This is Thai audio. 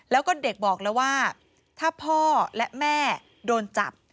แล้วก็เด็กบอกแล้วว่าถ้าพ่อและแม่โดนจับ